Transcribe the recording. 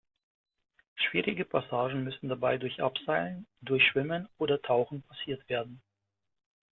Schwierige Passagen müssen dabei durch Abseilen, Durchschwimmen oder Tauchen passiert werden.